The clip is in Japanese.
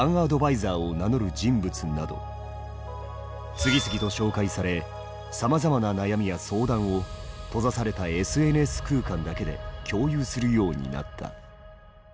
次々と紹介されさまざまな悩みや相談を閉ざされたＳＮＳ空間だけで共有するようになった。